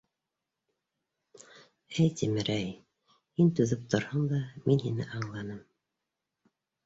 — Эй Тимерәй, һин түҙеп торһаң да, мин һине аңланым.